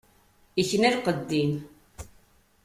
Ikna lqedd-im.